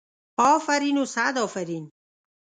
افرین و صد افرین.